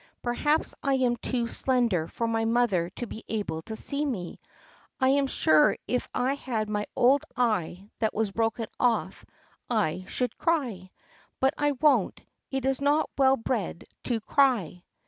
Perhaps I am too slender for my mother to be able to see me. I'm sure if I had my old eye that was broken off I should cry. But I won't; it's not well bred to cry."